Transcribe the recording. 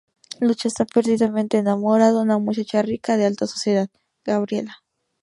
Lucho esta perdidamente enamorado de una muchacha rica, de alta sociedad, Gabriela.